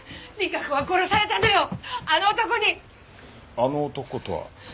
あの男とは？